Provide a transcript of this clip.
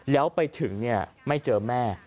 แล้วไปถึงไม่เจอแม่